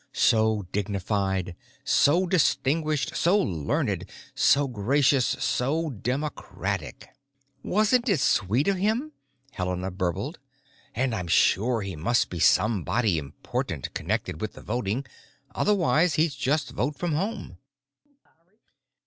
So dignified, so distinguished, so learned, so gracious, so democratic! "Wasn't it sweet of him?" Helena burbled. "And I'm sure he must be somebody important connected with the voting, otherwise he'd just vote from home."